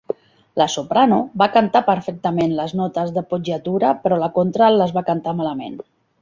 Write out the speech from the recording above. La soprano va cantar perfectament les notes d'appoggiatura però la contralt les va cantar malament.